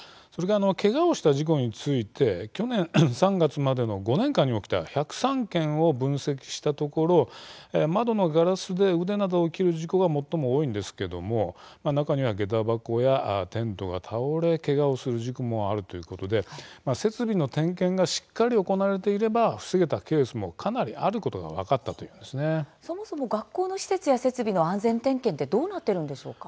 けがをした事故について去年３月までの５年間に起きた１０３件を分析したところ窓のガラスで腕などを切る事故が最も多いんですが中には、げた箱やテントが倒れけがをする事故もあるということで設備の点検がしっかり行われていれば防げたケースもかなりあることがそもそも学校の施設や設備の安全点検はどうなっているんでしょうか。